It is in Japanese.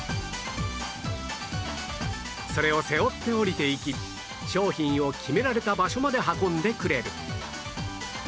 それを背負って降りていき商品を決められた場所まで運んでくれる